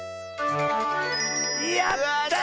やった！